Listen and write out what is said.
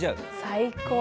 最高！